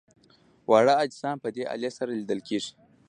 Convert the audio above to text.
واړه اجسام په دې الې سره لیدل کیږي.